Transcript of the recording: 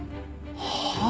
はあ！？